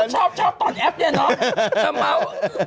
ชอบตอนแอปเนี่ยเนาะจะเมาส์